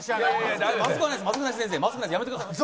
やめてください。